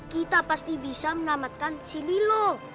kita pasti bisa menamatkan si lilo